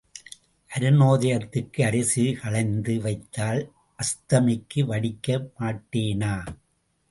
அருணோதயத்துக்கு அரிசி களைந்து வைத்தால் அஸ்தமிக்க வடிக்க மாட்டேனா?